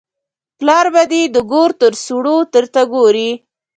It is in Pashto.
پلار به دې د ګور تر سوړو درته ګوري.